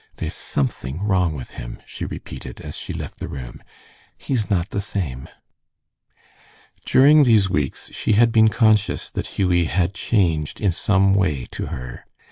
"There's something wrong with him," she repeated, as she left the room. "He's not the same." During these weeks she had been conscious that Hughie had changed in some way to her.